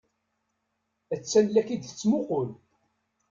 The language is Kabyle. Attan la k-id-tettmuqul.